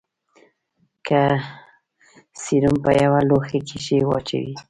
که سپرم په يوه لوښي کښې واچوې.